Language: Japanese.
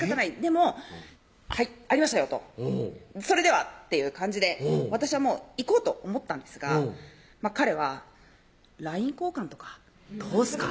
もう「はいありましたよ」と「それでは」っていう感じで私はもう行こうと思ったんですが彼は「ＬＩＮＥ交換とかどうすか？」